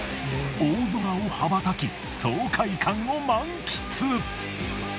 大空を羽ばたき爽快感を満喫。